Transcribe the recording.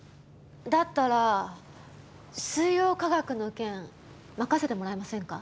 だったらスイヨウカガクの件任せてもらえませんか？